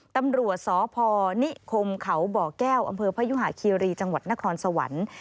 ตำรวจสพนิคมเขาบ่อแก้วอำเภอพยุหาคีรีจังหวัดนครสวรรค์